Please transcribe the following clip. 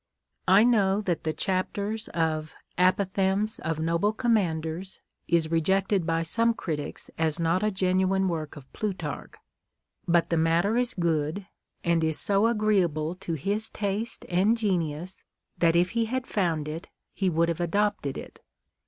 I know that the chapter of " Apothegms of Noble Command ers " is rejected by some critics as not a genuine work of Plutarch ; but the matter is good, and is so agreeable to his taste and genius, that if he had found it, he would have adopted it.